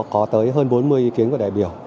có tới hơn bốn mươi ý kiến của đại biểu